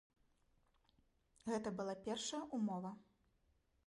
Гэта была першая ўмова.